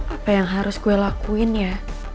apa yang harus gue lakuin ya